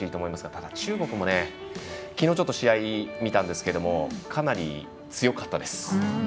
ただ、中国も昨日試合見たんですけどかなり強かったです。